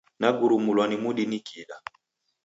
Nagurumulwa ni mudi nikiida.